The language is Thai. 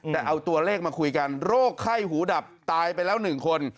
แต่เอาตัวเลขมาคุยกันโรคไข้หูดับตายไปแล้ว๑คน